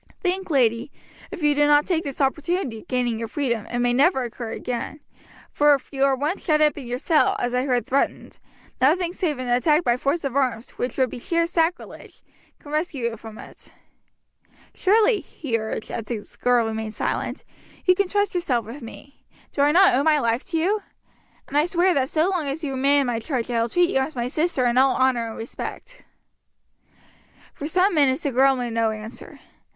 Think, lady, if you do not take this opportunity of gaining your freedom, it may never occur again, for if you are once shut up in your cell, as I heard threatened, nothing save an attack by force of arms, which would be sheer sacrilege, can rescue you from it. Surely," he urged, as the girl still remained silent, "you can trust yourself with me. Do I not owe my life to you? and I swear that so long as you remain in my charge I will treat you as my sister in all honour and respect." For some minutes the girl made no answer.